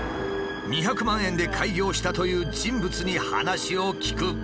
２００万円で開業したという人物に話を聞く。